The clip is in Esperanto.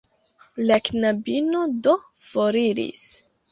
La knabino do foriris.